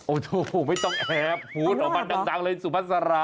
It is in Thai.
โอ้โหไม่ต้องแอบพูดออกมาดังเลยสุภาษา